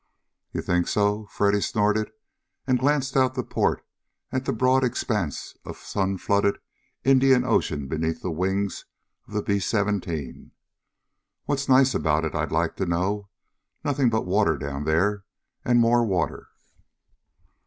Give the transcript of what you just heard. "You think so?" Freddy snorted, and glanced out the port at the broad expanse of sun flooded Indian Ocean beneath the wings of the B 17. "What's nice about it, I'd like to know? Nothing but water down there. And more water!"